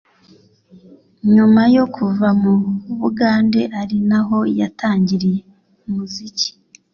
nyuma yo kuva mu Bugande ari naho yatangiriye umuziki